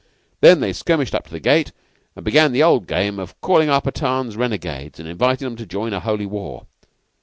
Then they skirmished up to the gate, and began the old game of calling our Pathans renegades, and invitin' 'em to join the holy war.